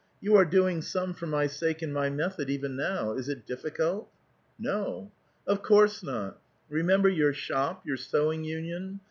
You are doing some for my sake in my method, even now ; is it difficult?" ''No."* "Of course not. Remember your shop, your sewing union.